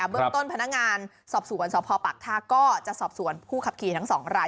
เรื่องต้นพนักงานสอบสวนสพปากท่าก็จะสอบสวนผู้ขับขี่ทั้งสองราย